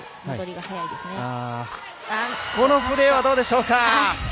このプレーはどうでしょうか。